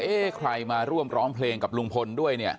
เอ้ใครมาร่องเพลงกับลุงพลด้วยเนี่ย